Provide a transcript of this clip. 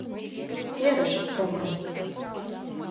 Йӧрыш, Роман!